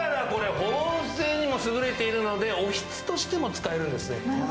保温性にも優れているのでおひつとしても使えるんです。